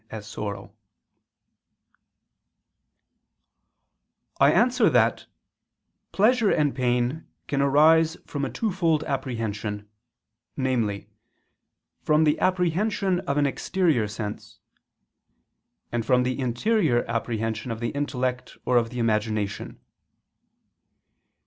I answer that, Pleasure and pain can arise from a twofold apprehension, namely, from the apprehension of an exterior sense; and from the interior apprehension of the intellect or of the imagination.